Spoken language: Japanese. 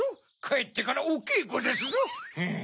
かえってからおけいこですぞハァ。